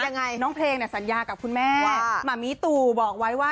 ยังไงน้องเพลงสัญญากับคุณแม่แม่ตู่บอกไว้ว่า